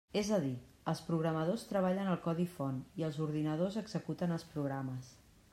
És a dir, els programadors treballen el codi font i els ordinadors executen els programes.